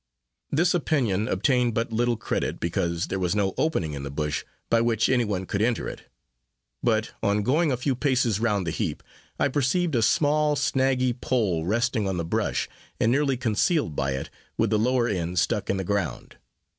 This opinion obtained but little credit, because there was no opening in the brush by which any one could enter it; but on going a few paces round the heap, I perceived a small, snaggy pole resting on the brush, and nearly concealed by it, with the lower end stuck in the ground.